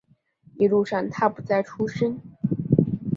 一路上他不再出声